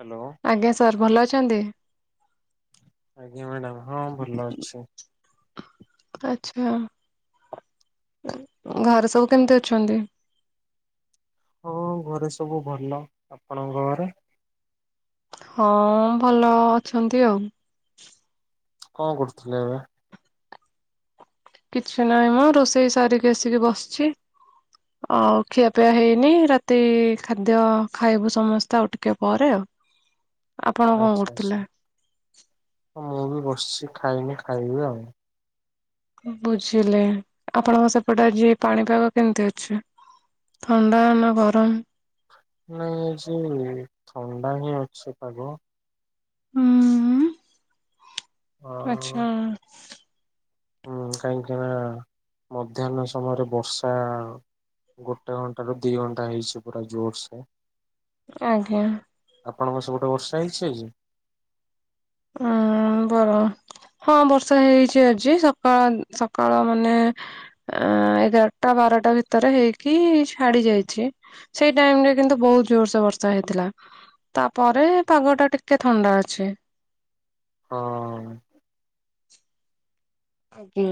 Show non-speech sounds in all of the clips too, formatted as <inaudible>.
Hello. ଆଜ୍ଞା sir ଭଲ ଅଛନ୍ତି? ଆଜ୍ଞା ମାଡ଼ାମ୍ ହଁ ଭଲ ଅଛି। ଆଚ୍ଛା ଉ ଘରେ ସବୁ କେମତି ଅଛନ୍ତି? ହୋ ଘରେ ସବୁ ଭଲ। ଆପଣଙ୍କ ଘରେ? ହଁ ଭଲ ଅଛନ୍ତି ଆଉ। କଁ କରୁଥୁଲେ ଏବେ? କିଛି ନାହିଁ ମ ରୋଷେଇ ସାରିକି ଆସିକି ବସଛି। ଆଉ ଖିଆପିଆ ହେଇନି ରାତି ଖାଦ୍ୟ ଖାଇବୁ ସମସ୍ତେ ଆଉ ଟିକେ ପରେ ଆଉ। ଆପଣ କଣ ଆଚ୍ଛା କରୁଥିଲେ? ଆଚ୍ଛା ହ ମୁଁ ବି ବସିଛି ଖାଇନି ଖାଇବି ଆଉ। ବୁଝିଲେ ଆପଣଙ୍କ ସେପଟେ ଆଜି ପାଣିପାଗ କେମତି ଅଛି? ଥଣ୍ଡା ନାଁ ଗରମ୍? ନାଇଁ ଏ ଯେ ଥଣ୍ଡା ହିଁ ଅଛି ପାଗ। ଉଁ ଉଁ ପୁ ଆଉ ଆଚ୍ଛା। ହୁଁ କାହିଁକି ନା ମଧ୍ୟାହ୍ନ ସମୟରେ ବର୍ଷା ଗୋଟେ ଘଣ୍ଟାରୁ ଦି ଘଣ୍ଟା ହେଇଛି ପୁରା ଜୋରସେ। ଆଜ୍ଞା। ଆପଣଙ୍କ ସେପଟେ ବର୍ଷ ହେଇଛି ଆଜି? ଧଆଁ ବର ହଁ ବର୍ଷା ହେଇଚି ଆଜି ସକାଳ ସକାଳ ମାନେ ଆ ଏଗାରଟା ବାରଟା ଭିତରେ ହେଇକି ଛାଡ଼ି ଯାଇଛି। ସେଇ ଟାଇମ୍ ରେ କିନ୍ତୁ ବହୁତ ଜୋରସେ ବର୍ଷା ହେଇଥିଲା। ତାପରେ ପାଗଟା ଟିକେ ଥଣ୍ଡା ଅଛି। ହଁ। ଆଜ୍ଞ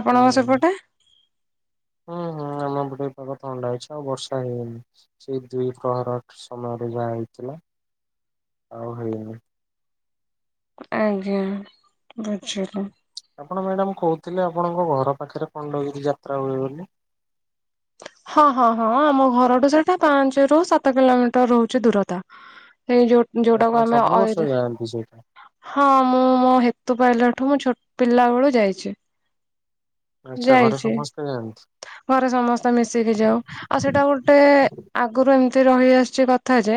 ଆପଣଙ୍କ ସେପଟେ? ହଁ ହଁ ଆମ ପଟେ ବି ପାଗ ଥଣ୍ଡା ଅଛି ଆଉ ବର୍ଷା ହେଇନି। ସେଇ ଦୁଇ ପ୍ରହର ସମୟରେ ଯାହା ହେଇଥିଲା ଆଉ ହେଇନି। ଆଜ୍ଞା ବୁଝିଲୁ। ଆପଣ ମ୍ୟାଡ଼ାମ୍ କହୁଥିଲେ ଆପଣଙ୍କ ଘର ପାଖରେ ଖଣ୍ଡଗିରି ଯାତ୍ରା ହୁଏ ବୋଲି। ହଁ ହଁ ହଁ ଆମ ଘରଠୁ ସେଟା ପାଞ୍ଚ ରୁ ସାତ କିଲୋମିଟର ରହୁଛି ଦୂରତା। ସେ ଯୋଉ ଯୋଉଟା କୁ ଆପଣ ଆମେ ସବୁ ବର୍ଷ ଅଇ ଯାଆନ୍ତି ସେଇଟା ହଁ ମୁଁ ମୋ ହେତୁ ପାଇଲା ଠୁ ମୁଁ ଛୋଟ ପିଲା ବେଳୁ ଯାଇଛି। ଆଚ୍ଛା ଘରେ ଯାଇଛି ସମସ୍ତେ ଯାଆନ୍ତି ଘରେ ସମସ୍ତେ ତ ମିଶିକି ଯାଉ ଆଉ ସେଇଟା ଗୋଟେ ଆଗରୁ ଏମିତି ରହିଆସିଛି କଥା ଯେ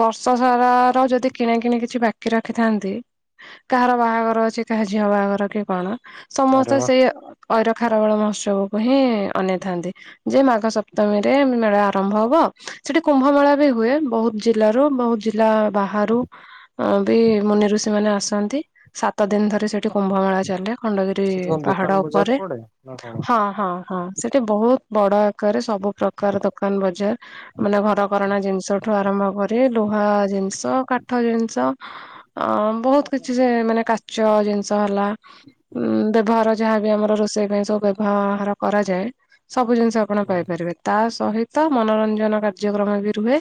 ବର୍ଷ ସାରା ର ଯଦି କିଣା କିଣି କିଛି ବା କି ରଖିଥାନ୍ତି କାହାର ବାହାଘର ଅଛି କାହା ଝିଅ ବାହାଘର କି କଣ। ଆରେ ସମସ୍ତେ ବା। ସେଇ ଐର ଖାରବେଳ ମହୋତ୍ସବକୁ ହିଁ ଅନେଇଥାନ୍ତି। ଯେ ମାଘ ସପ୍ତମୀ ରେ ମେଳା ଆରମ୍ଭ ହବ ସେଠି କୁମ୍ଭ ମେଳା ବି ହୁଏ। ବହୁତ ଜିଲ୍ଲାରୁ ବହୁତ ଜିଲ୍ଲା ବାହାରୁ ବି ମୁନିଋଷି ମାନେ ଆସନ୍ତି। ସାତ ଦିନ ଧରି ସେଠି କୁମ୍ଭ ମେଳା ଚାଲେ। ଖଣ୍ଡଗିରି ସେଠି କଣ ପାହାଡ ଦୋକାନ ବଜାର ଉପରେ ପଡେ ନା କଣ? ହଁ ହଁ ହଁ ସେଠି ବହୁତ ବଡ ଆକାରରେ ସବୁ ପ୍ରକାର ଦୋକାନ ବଜାର। ମାନେ ଘରକରଣା ଜିନିଷଠୁ ଆରମ୍ଭ କରି ଲୁହା ଜିନିଷ କାଠ ଜିନିଷ ଅ ବହୁତ କିଛି ସେ ମାନେ କାଚ ଜିନିଷ ହେଲା। ଉଁ ବ୍ୟବହାର ଯାହାବି ଆମର ରୋଷେଇ ପାଇଁ ସବୁ ବ୍ୟବହାର କରାଯାଏ ସବୁ ଜିନିଷ। ଆପଣ ହୁଁ। ପାଇପାରିବେ ତା ସହିତ ମନୋରଞ୍ଜନ କାର୍ଯ୍ୟକ୍ରମ ବି ରୁହେ।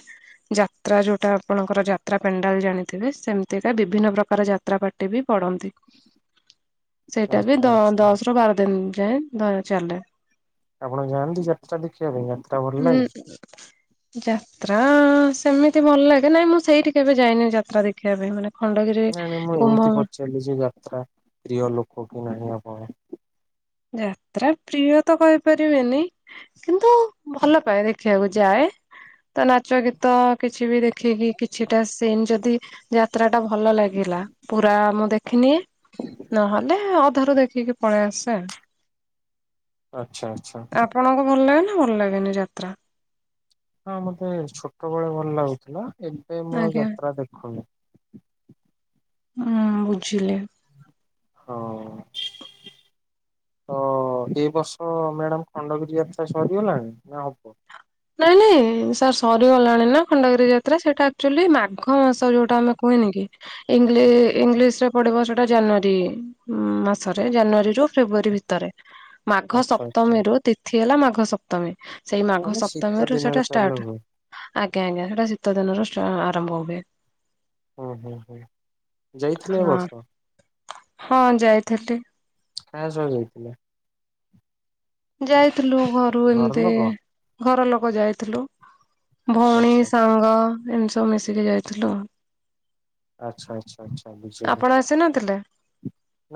ଯାତ୍ରା ଯୋଉଟା ଆପଣଙ୍କର ଯାତ୍ରା ପେଣ୍ଡାଲ ଜାଣିଥିବେ ସେମିତିକା ବିଭିନ୍ନ ପ୍ରକାର ଯାତ୍ରା ପାଟି। ଗୋଟେ ବି ପଡ଼ନ୍ତି। <inaudible> ସେଇଟା ବି ଦ ଆଚ୍ଛା ଦଶରୁ ବାର ଦିନ ଯାଏଁ ଧର ଚାଲେ। ଆପଣ ଯାଆନ୍ତି ଯାତ୍ରା ଦେଖିବା ପାଇଁ ଯାତ୍ରା? ଭଲ ହୁଁ। ଲାଗେ? ଯାତ୍ରା ସେମିତି ଭଲ ଲାଗେ ନାଇଁ ମୁଁ ସେଇଠି କେବେ ଯାଇନି ଯାତ୍ରା ଦେଖିବା ପାଇଁ ମାନେ ଖଣ୍ଡଗିରି କୁମର ଚାଲିଛି ଯାତ୍ରା ପ୍ରିୟ ଲୋକ କି ନାହିଁ ଆପଣ। ଯାତ୍ରା ପ୍ରିୟ ତ କହିପାରିବେନି କିନ୍ତୁ ଭଲ ପାଇବେ। ଦେଖିବାକୁ ଯାଏ ତ ନାଚ ଗୀତ କିଛି ବି ଦେଖିକି କିଛିଟା ସିନ୍ ଯଦି ଯାତ୍ରା ଟା ଭଲ ଲାଗିଲା ପୁରା ମୁଁ ଦେଖିନି। ନହେଲେ ଅଧାରୁ ଦେଖିକି ପଳେଇ ଆସେ। ଆଚ୍ଛା ଆଚ୍ଛା। ଆପଣଙ୍କୁ ଭଲ ଲାଗେନା ଭଲ ଲାଗେନି ଯାତ୍ରା? ହଁ ମତେ ଛୋଟବେଳେ ଭଲ ଲାଗୁଥିଲା ଏବେ ମୁଁ ଆଉ ଆଜ୍ଞା ଯାତ୍ରା ଦେଖୁନି। ହୁଁ ବୁଝିଲେ। ହଁ। ତ ଏ ବର୍ଷ ମ୍ୟାଡ଼ାମ୍ ଖଣ୍ଡଗିରି ଯାତ୍ରା ସରିଗଲାଣି ନା ହବ? ନାଇଁ ନାଇଁ ସାର୍ ସରିଗଲାଣି ନା ଖଣ୍ଡଗିରି ଯାତ୍ରା ସେଇଟା ଆକ୍ଚୁଆଲି ମାଘ ମାସ ଯୋଉଟା ଆମେ କୁହେନି କି। ଇଂଲି ଇଂଲିଶ ରେ ପଡିବ ସେଟା ଜାନୁଆରୀ। ଉଁ ମାସରେ ଜାନୁଆରୀ ରୁ ଫେବୃଆରୀ ଭିତରେ। ମାଘ ଆଚ୍ଛା ଆଚ୍ଛା। ସପ୍ତମୀରୁୁ ତିଥି ହେଲା ମାଘ ସପ୍ତମୀ ସେଇ ମାଘ ମାନେ ଶୀତ ସପ୍ତମୀରୁ ଦିନରେ ସେଟା ତାହେଲେ ଷ୍ଟାର୍ଟ। ହୁଏ ଆଜ୍ଞା ଆଜ୍ଞା ସେଇଟା ଶୀତ ଦିନରୁ ଷ୍ଟା ଆରମ୍ଭ ହୁଏ। ହୁଁ ହୁଁ ହୁଁ ଯାଇଥିଲେ ହଁ ବର୍ଷ। ହଁ ଯାଇଥିଲି। କାହା ସହ ଯାଇଥିଲେ? ଯାଇଥିଲୁ ଘରୁ ଘର ଏମିତି ଲୋକ ଘର ଲୋକ ଯାଇଥିଲୁ। ଭଉଣୀ ଆଚ୍ଛା ଆଚ୍ଛା ସାଙ୍ଗ ଏମିତି ସବୁ ମିଶିକି ଯାଇଥିଲୁ ଆଉ। ଆଚ୍ଛା ଆଚ୍ଛା ଆଚ୍ଛା ବୁଝିଲେ। ସେ ନଦେଲେ।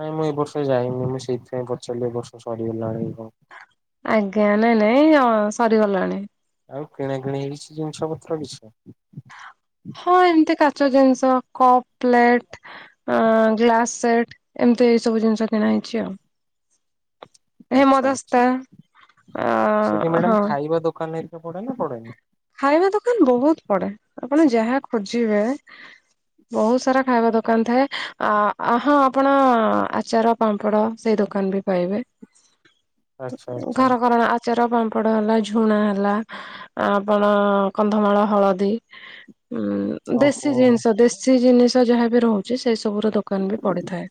ନାଇଁ ମୁଁ ଏ ବର୍ଷ ଯାଇନି ମୁଁ ସେଇଥିପାଇଁ ପଚାରିଲି ଏ ବର୍ଷ ସରିଗଲାଣି କି କଣ? ଆଜ୍ଞା ନାଇଁ ନାଇଁ ଅଁ ସରିଗଲାଣି। ଆଉ କିଣା କିିଣି ହେଇଛି ଜିନିଷ ପତ୍ର କିଛି? ହଁ ଏମିତି କାଚ ଜିନିଷ କପ, ପ୍ଲେଟ, ଆଁ ଗ୍ଲାସ ସେଟ ଏମତି ଏଇ ସବୁ ଜିନିଷ କିଣା ହେଇଛି ଆଉ। ଆଚ୍ଛା ଆଛା ହେମଦସ୍ତା ସେଟା ଅ ହଁ ମ୍ୟାଡ଼ାମ ଖାଇବା ଦୋକାନ ହେରିକା ପଡେ ନା ପଡେନି? ଖାଇବା ଦୋକାନ ବହୁତ ପଡେ ଆପଣ ଯାହା ଖୋଜିବେ ବହୁତ ସାରା ଖାଇବା ଦୋକାନ ଥାଏ ଆ ହଁ ଆପଣ ଆଚାର ପାମ୍ପଡ ସେଇ ଦୋକାନ ବି ପାଇବେ। <inaudible> ଆଚ୍ଛା ଘର କରଣା ଆଚାର ପାମ୍ପଡ ହେଲା ଝୁଣା ହେଲା ଆ ଆପଣ କନ୍ଧମାଳ ହଳଦୀ ଉ ଓହୋ। ଦେଶୀ ଜିନିଷ ଦେଶୀ ଦେଶୀ ଜିନିଷ ଯାହାବି ରହୁଛି ସେଇ ସବୁ ର ଦୋକାନ ବି ପଡିଥାଏ।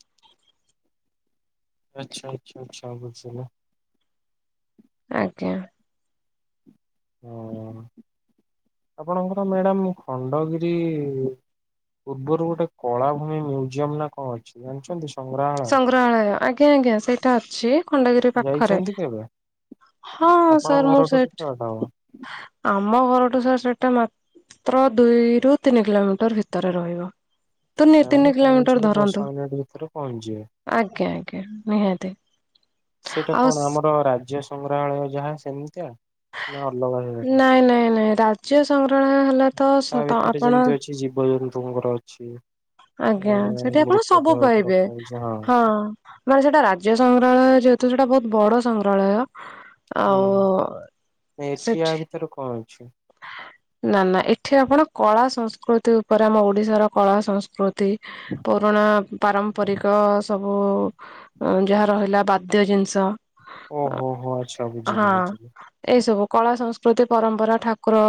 ଆଚ୍ଛା ଆଚ୍ଛା ଆଚ୍ଛା <unintelligible> ଆଜ୍ଞା। ହଁ ଆପଣଙ୍କର ମ୍ୟାଡ଼ାମ ଖଣ୍ଡଗିରି ପୂର୍ବରୁ ଗୋଟେ କଳାଭୂମି ମ୍ୟୁଜିୟମ ନା କଣ ଅଛି ଜାଣିଛନ୍ତି ସଂଗ୍ରହାଳୟ? ପ୍ରଳୟ ଆଜ୍ଞା ଆଜ୍ଞା ସେଇଟା ଅଛି। ଖଣ୍ଡଗିରି ପାଖରେ ଯାଇଛନ୍ତି କେବେ? ହଁ ସାର୍ ଆପଣଙ୍କ ମୁଁ ଘରଠୁ କେତେ ସେଠ ବାଟ ହବ? ଆମ ଘରଠୁ ସାର୍ ସେଟା ମାତ୍ର ଦୁଇ ରୁ ତିନି କିଲୋମିଟର ଭିତରେ ରହିବ। ତିନି ତିନି ଆମର କିଲୋମିଟର ପାଞ୍ଚରୁୁ ଧରନ୍ତୁ ଦଶ ମିନିଟ ଭିତରେ ପହଞ୍ଚିବେ। ଆଜ୍ଞା ଆଜ୍ଞା ନିହାତି। ସେଇଟା ଆଉ କଣ ଆମର ରାଜ୍ୟ ସଂଗ୍ରହାଳୟ ଯାହା ସେମିତିଆ? ନା ଅଲଗା ହେଇଗଲା? ନାଇଁ ନାଇଁ ନାଇଁ ରାଜ୍ୟ ସଂଗ୍ରହାଳୟ ହେଲା ତା ତ ଭିତରେ ଆପଣ ଯେମିତି ଅଛି ଜୀବଜନ୍ତୁଙ୍କର ଅଛି ଆଜ୍ଞା ଏ ସେଠି ଆପଣ ସବୁ ମୃତଦେହକୁ ପାଇବେ ରଖାଯାଇଛି ହଁ। ମାନେ ସେଟା ରାଜ୍ୟ ସଂଗ୍ରହାଳୟ ଯେହେତୁ ସେଟା ବହୁତ ବଡ ସଂଗ୍ରହାଳୟ। ହୁଁ ଆଉ ଏଠି ସେଠି ଆ ଭିତରେ କଣ ଅଛି? ନା ନା ଏଠି ଆପଣ କଳା ସଂସ୍କୃତି ଉପରେ ଆମ ଓଡିଶାର କଳା ସଂସ୍କୃତି ତି ପୁରୁଣା ପାରମ୍ପରିକ ସବୁ ଯାହା ରହିଲା ଵା ଖାଦ୍ୟ ଜିନିଷ ଓହୋ ହୋ ଆଚ୍ଛା ହଁ ବୁଝିଲି ବୁଝିଲି। ଏଇ ସବୁ କଳା ସଂସ୍କୃତି ପରମ୍ପରା ଠାକୁ ଠାକୁର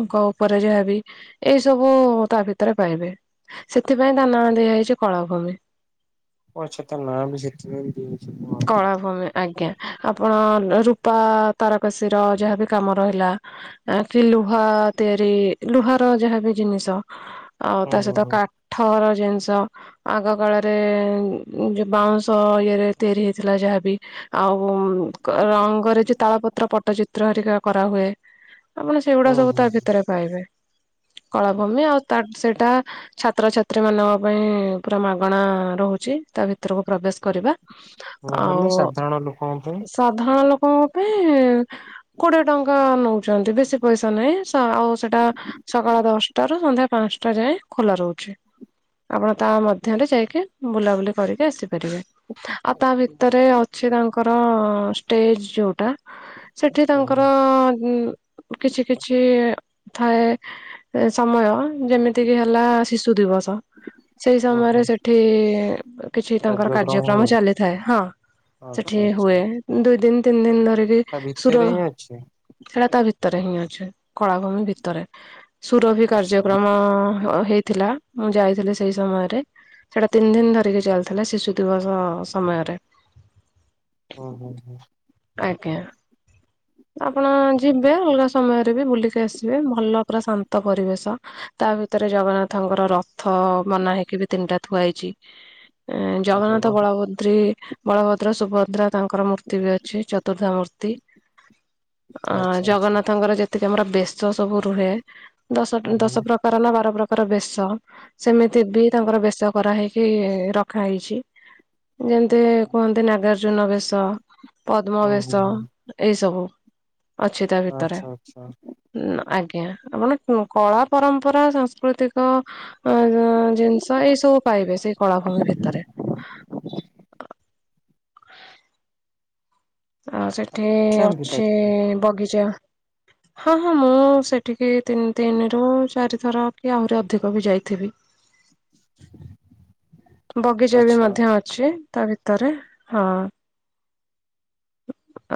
ଙ୍କ ଉପରେ ଯାହାବି ଏଇ ସବୁ ତା ଭିତରେ ପାଇବେ। ସେଥିପାଇଁ ତା ନା ଦିଆ ହେଇଛି କଳାଭୂମି। ହଁ ସେତ ନାଁ ବି ସେତେ କଳା ଭୂମି ଆଜ୍ଞା। ଆପଣ ରୂପା ତାରକସୀ ର ଯାହାବି କାମ ରହିଲା ଆ କି ଲୁହା ତିଆରି ଲୁହା ର ଯାହାବ ଜିନିଷ ଆଉ ହୁଁ ତା ହୁଁ ସହିତ ହୁଁ। କା କାଠର ଜିନିଷ ଆଗ କାଳରେ ଯୋଉ ବାଉଁଶ ଇଏରେ ତିଆରି ହୋଇଥିଲା ଯାହାବି ଆଉ ରଙ୍ଗରେ ଯୋଉ ତାଳ ପତ୍ର ପଟ୍ଟଚିତ୍ର ହରିକା କରାହୁଏ ଆପଣ ସେଗୁଡା ହୁଁ ସବୁ ହୁଁ ତା ଭିତରେ ପାଇବେ କଳାଭୂମି ଆଉତା ସେଇଟା ଛାତ୍ରଛାତ୍ରୀ ମାନଙ୍କ ପାଇଁ ପୁରା ମାଗଣା ରହୁଛି ତା ଭିତରକୁ ପ୍ରବେଶ କରିବା। ନହେଲେ ଆଉ ସାଧାରଣ ଲୋକ ପାଇଁ ସାଧାରଣ ଲୋକଙ୍କ ପାଇଁ କୋଡିଏ ଟଙ୍କା ନଉଛନ୍ତି ବେଶୀ ପଇସା ନାହିଁ ସ ଆଉ ସେଟା ସକାଳ ଦଶଟାରୁ ସନ୍ଧ୍ୟା ପାଞ୍ଚଟା ଯାଏଁ ଖୋଲା ରହୁଛି। ଆପଣ ତା ମଧ୍ୟରେ ଯାଇକି ବୁଲାବୁଲି କରିକି ଆସିପାରିବେ। ଆଉ ତା ଭିତରେ ଅଛି ତାଙ୍କର ଷ୍ଟେଜ ଯୋଉଟା ସେଠି ହୁଁ ତାଙ୍କର କିଛି କିଛି ଥାଏ ସମୟ ଯେମିତିକି ହେଲା ଶିଶୁ ଦିବସ ସେଇ ସମୟରେ ଓହୋ ସେଠି କିଛି ତାଙ୍କର କାର୍ଯ୍ୟକ୍ରମ ଚାଲିଥାଏ ହଁ। ଆଚ୍ଛା ସେଠି ଆଚ୍ଛା ହୁଏ ଦୁଇ ଦିନ ତିନି ଦିନ ଧରିକି ତା ସୁର ଭିତରେ ହିଁ ଅଛି ହେଲା ତା ଭିତରେ ଭିତରେ ହିଁ ଅଛି କଳାଭୂମି ଭିତରେ ସୁରଭ ଆଚ୍ଛା। କାର୍ଯ୍ୟକ୍ରମ ହେଇଥିଲା। ମୁଁ ଯାଇଥିଲି ସେଇ ସମୟରେ ସେଇଟା ତିନି ଦିନ ଧରିକି ଚାଲିଥିଲା। ଶିଶୁ ଦିବସ ସମୟରେ।। ଓହୋ ଆଜ୍ଞା ଆପଣ ଯିବେ ଅଲଗା। ସମୟରେ ବି ବୁଲିକି ଆସିବେ ଭଲ ପୁରା ଶାନ୍ତ ପରିବେଶ ତା ଭିତରେ ଜଗନ୍ନାଥଙ୍କର ରଥ ଅଥ ବନା ହେଇକି ବି ତିନିଟା ଥୁଆ ହେଇଛି। ଆରେ ଜଗନ୍ନାଥ ବା ବଳଭଦ୍ର୍ରୀ ବଳଭଦ୍ର ସୁଭଦ୍ରା ତାଙ୍କର ମୂର୍ତ୍ତି ବି ଅଛି। ଚତୁର୍ଦ୍ଧ ମୂର୍ତ୍ତି।। ଅ ଆଚ୍ଛା ଆଚ୍ଛା ଜଗନ୍ନାଥଙ୍କର ଯେତିକି ଆମର ବେଶ ସବୁ ରୁହେ ଦଶ ହୁଁ ହୁଁ ଦଶ ପ୍ର। ଦଶ ନା ବାର ପ୍ରକାର ବେଶ। ସେମିତି ବି ତାଙ୍କର ବେଶ କରାହେଇକି ରଖା ହେଇଛି। ଯେମିତି କୁହନ୍ତି ନାଗାର୍ଜୁନ ବେଶ। ପଦ୍ମ ହୁଁ ହୁଁ ବସ ହୁଁ ଏଇ ସବୁ ଅଛି ତା ଭିତରେ। ଆଚ୍ଛା ଆଚ୍ଛା ଆଜ୍ଞା ମାନେ କଳା ପରମ୍ପରା ସାଂସ୍କୃତିକ। ଅ ଜିନିଷ ଏଇ ସବୁ ପାଇବେ ସେଇ କଳାଭୂମି ଭିତରେ। ଆଉ ସେଠି ଅଛି ବଗିଚା ହ ହଁ ହଁ ମୁଁ ସେଠିକି ତିନି ତିନିରୁ ଚାରିଥର କି ଆହୁରି ଅଧିକ ବି ଯାଇଥିବି। ବଗିଚା ବି ଆଚ୍ଛା ମଧ୍ୟ ଅଛି ତା ଭିତରେ ହଁ।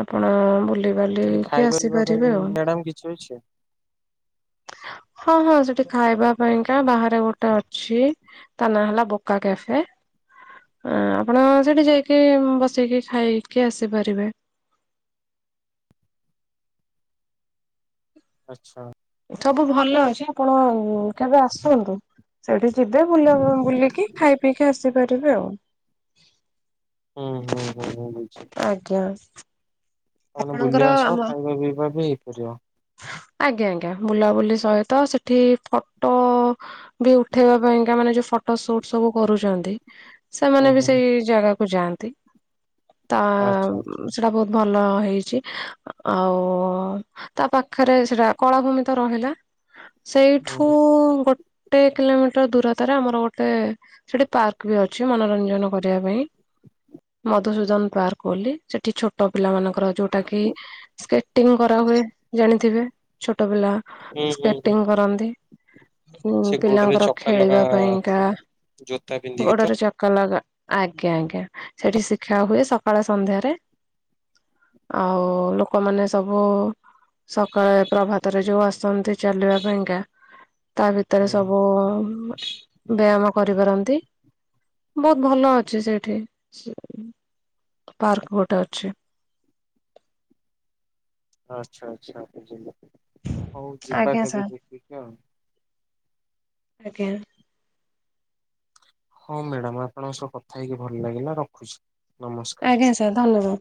ଆପଣ ବୁଲି ସେଠି ବଲିକି ଖାଇବା ପିଇବା ପାଇଁ ଆସିପାରିବେ ଆଉ। ମ୍ୟାଡାମ କିଛି ଅଛି। ହଁ ହଁ ସେଠି ଖାଇବା ପାଇଁକା ବାହାରେ ଗୋଟେ ଅଛି। ତା ନାଁ ହେଲା ବୋକା କ୍ୟାଫେ। ଆପଣ ସେଇଠି ଯାଇକି ବସେଇକି ଖାଇକି ଆସିପାରିବେ। ଆଚ୍ଛା ସବୁ ଭଲ ଅଛି ଆପଣ କେବେ ଆସନ୍ତୁ। ସେଇଠି ଯିବେ ବୁଲ ବୁଲିକି ଖାଇ ପିଇକି ଆସିପାରିବେ ଆଉ। ହଁ ହଁ ହଁ ଆଜ୍ଞା ବୁଲ ଆପଣଙ୍କର ବା ସହ ଆମ ଖାଇବା ପିଇବା ବି ହେଇପାରିବ। ଆଜ୍ଞା ଆଜ୍ଞା ବୁଲାବୁଲି ସହିତ ସେଠି ଫଟୋ ବି ଉଠେଇବା ପାଇଁକା ମାନେ ଯୋଉ। ଫଟ ସୁଟ ସବୁ କରୁଛନ୍ତି। ହୁଁ ସେମାନେ ବି ହୁଁ ସେଇ ଜାଗାକୁ ଯାଆନ୍ତି। ତା ଆଚ୍ଛା ଆଚ୍ଛା ସେଟା ବହୁତ ଭଲ ହେଇଛି। ଆଉ ତା ପାଖରେ ସେଇଟା କଳାଭୂମି ତ ରହିଲା ହୁଁ ସେଇଠୁ ଗୋ ଗୋଟେ କିଲୋମିଟର ଦୂରତରେ ଆମର ଗୋଟେ ସେଠି ପାର୍କ ବି ଅଛି ମନୋରଞ୍ଜନ କରିବା ପାଇଁ। ମଧୁସୂଦନ ପାର୍କ ବୋଲି ସେଠି ଛୋଟ ପିଲା ମାନଙ୍କର। ଯୋଉଟା କି ସ୍କେଟିଂ କରାହୁଏ। ଥିବେ ଛୋଟ ପିଲା ହୁଁ ହୁଁ ହୁଁ ସ୍କେଟିଂ କରନ୍ତି। ସେ ଗୋଡରେ ପିଲାଙ୍କର ଚକା ଲଗା ଖେଳିବା ପାଇଁକା ଜୋତା ପିନ୍ଧିକି ତ ବଡ଼। ଚକ ଲଗ ଆଜ୍ଞା ଆଜ୍ଞା ସେଠି ଶିଖା ହୁଏ। ସକାଳେ ସନ୍ଧ୍ୟାରେ ଆଉ ଲୋକମାନେ ସବୁ ସକାଳେ ପ୍ରଭାତରେ ଯୋଉ ଆସନ୍ତି ଚାଲିବା ପାଇଁକା। ତା ଭିତରେ ହୁଁ ସବୁ ବ୍ୟାୟାମ କରିପାରନ୍ତି। ବହୁତ ଭଲ ଅଛି ସେଠି ପାର୍କ ଗୋଟେ ଅଛି। ଆଚ୍ଛା ଆଚ୍ଛା ଆ ଯିବି ହଉ ଯିବା ଆଜ୍ଞା କେବେ ସାର୍ ଦେଖିକି ଆଉ। ଆଜ୍ଞା। ହଁ ମ୍ୟାଡାମ ଆପଣଙ୍କ ସହ କଥା ହେଇକି ଭଲ ଲାଗିଲା ରଖୁଚି। ଆଜ୍ଞା ସାର୍ ଧନ୍ୟବାଦ।